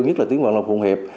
nhất là tiếng bọn lộc phùng hiệp